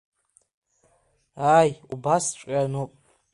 Ааи, убасҵәҟьа ануп.